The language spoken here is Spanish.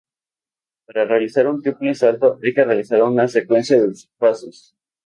Para realizar un triple salto hay que realizar una secuencia de pasos.